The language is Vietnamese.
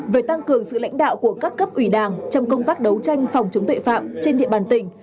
về tăng cường sự lãnh đạo của các cấp ủy đảng trong công tác đấu tranh phòng chống tuệ phạm trên địa bàn tỉnh